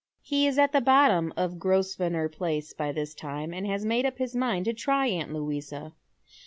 He is at the bottom of Grosvenor Place by this time, and ha» made up his mind to try aunt Louisa.